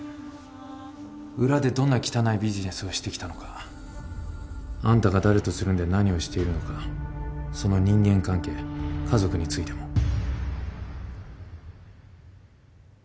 裏でどんな汚いビジネスをしてきたのかあんたが誰とつるんで何をしているのかその人間関係家族についても。